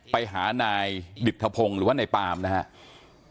ไปหานายดิตภพงษ์หรือว่าในปาล์มนะฮะ